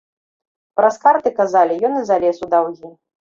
Праз карты, казалі, ён і залез у даўгі.